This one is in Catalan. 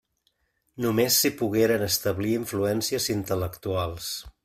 Només s'hi pogueren establir influències intel·lectuals.